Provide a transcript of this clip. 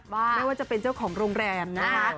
ไม่ว่าจะเป็นเจ้าของโรงแรมนะคะ